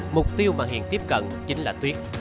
mục tiêu mà hiền tiếp cận chính là tuyết